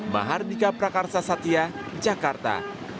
mahar nikah prakarsa satya jakarta